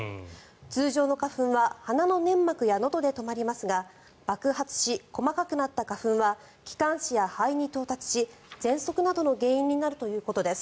通常の花粉は鼻の粘膜やのどで止まりますが爆発し、細かくなった花粉は気管支や肺に到達しぜんそくなどの原因になるということです。